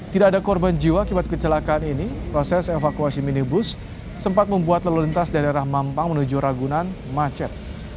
tidak ada korban jiwa akibat kecelakaan ini proses evakuasi minibus sempat membuat lalu lintas dari arah mampang menuju ragunan macet